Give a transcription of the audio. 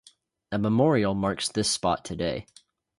A memorial marks this spot today.